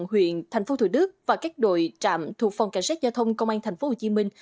huyện thành phố thủ đức và các đội trạm thuộc phòng cảnh sát giao thông công an thành phố hồ chí minh